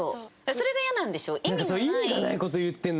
それがイヤなんでしょ？